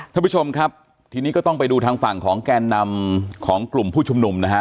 ท่านผู้ชมครับทีนี้ก็ต้องไปดูทางฝั่งของแกนนำของกลุ่มผู้ชุมนุมนะฮะ